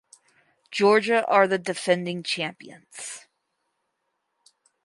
Georgia are the defending champions.